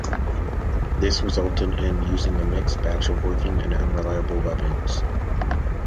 This resulted in using a mixed batch of working and unreliable weapons.